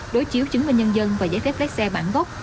đối chiếu chứng minh nhân dân và giấy phép lái xe bản gốc